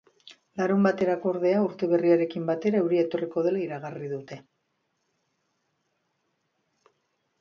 Larunbaterako, ordea, urte berriarekin batera, euria etorriko dela iragarri dute.